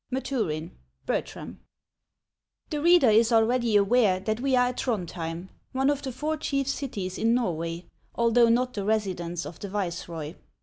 — MATURIN: Bertram. * I ^HE reader is already aware that we are at Thrond ^ hjem, one of the four chief cities in Norway, although not the residence of the viceroy.